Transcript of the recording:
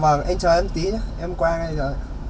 vâng anh chờ em tí nhé em qua ngay bây giờ